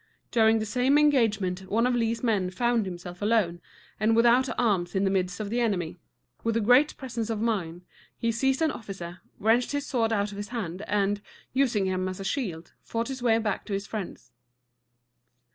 During the same engagement one of Lee's men found himself alone and without arms in the midst of the enemy. With great presence of mind, he seized an officer, wrenched his sword out of his hand, and, using him as a shield, fought his way back to his friends.